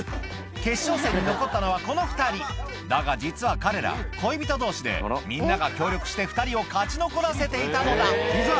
決勝戦に残ったのはこの２人だが実は彼ら恋人同士でみんなが協力して２人を勝ち残らせていたのだ「膝！